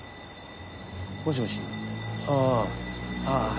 ああ